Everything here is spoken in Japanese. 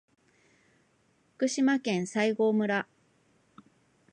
福島県西郷村